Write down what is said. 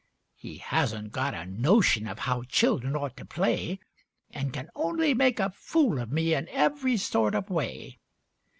He hasn't got a notion of how children ought to play, And can only make a fool of me in every sort of way.